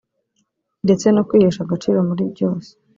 ndetse no kwihesha agaciro muri byose